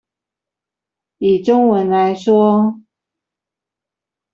以中文來說